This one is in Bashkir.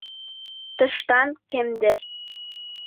Тыштан кемдер: